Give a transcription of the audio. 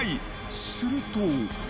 すると。